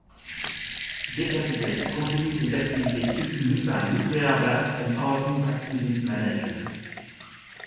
Decapitated continue ses activités soutenu par Nuclear Blast et Hard Impact Music Management.